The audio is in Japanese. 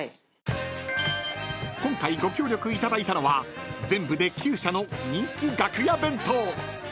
［今回ご協力いただいたのは全部で９社の人気楽屋弁当］